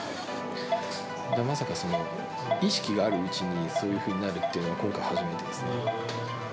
まさか、意識があるうちに、そういうふうになるというのは、今回が初めてですね。